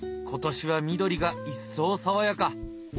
今年は緑が一層爽やか。